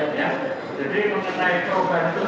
jadi mengenai perubahan itu